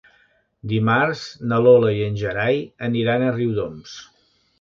Dimarts na Lola i en Gerai aniran a Riudoms.